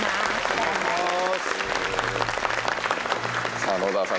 さあ野沢さん